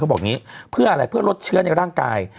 บอกอย่างนี้เพื่ออะไรเพื่อลดเชื้อในร่างกาย